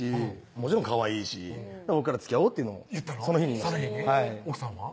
もちろんカワイイし僕から「つきあおう」っていうのもその日に言いました奥さんは？